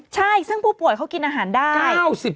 ใช่ซึ่งผู้ป่วยเขากินอาหารได้